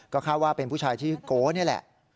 ก็คาดว่าเป็นผู้ชายที่โก๊นี่แหละ